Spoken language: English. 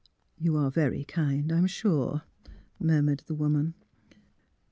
*' You are very kind, I'm sure," murmured the woman.